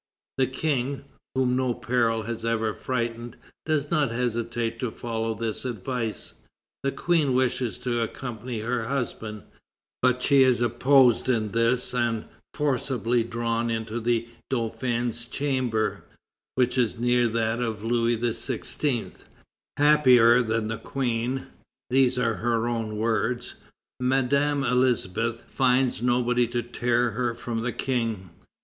The King, whom no peril has ever frightened, does not hesitate to follow this advice. The Queen wishes to accompany her husband; but she is opposed in this and forcibly drawn into the Dauphin's chamber, which is near that of Louis XVI. Happier than the Queen, these are her own words, Madame Elisabeth finds nobody to tear her from the King.